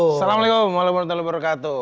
assalamualaikum warahmatullahi wabarakatuh